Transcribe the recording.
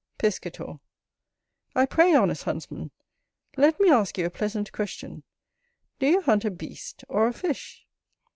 Piscator. I pray, honest Huntsman, let me ask you a pleasant question: do you hunt a beast or a fish?